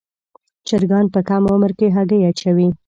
چرګان په کم عمر کې هګۍ اچوي.